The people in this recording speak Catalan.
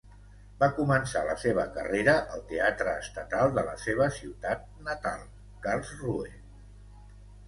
Va començar la seva carrera al Teatre Estatal de la seva ciutat natal, Karlsruhe.